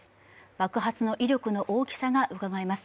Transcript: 爆発の威力の大きさがうかがえます。